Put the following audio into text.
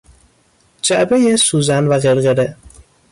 جعبه سوزن و قرقره